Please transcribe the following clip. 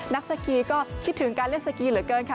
นักสกีก็คิดถึงการเล่นสกีเหลือเกินค่ะ